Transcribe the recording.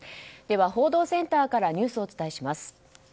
では報道センターからニュースをお伝えします。